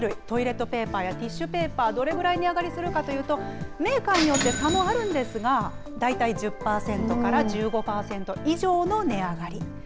トイレットペーパーやティッシュペーパー、どれぐらい値上がりするかというと、メーカーによって差もあるんですが、大体１０％から１５％以上の値上がり。